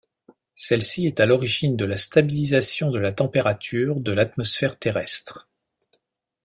Celle-ci est à l'origine de la stabilisation de la température de l'atmosphère terrestre.